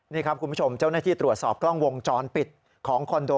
นี่ครับคุณผู้ชมเจ้าหน้าที่ตรวจสอบกล้องวงจรปิดของคอนโด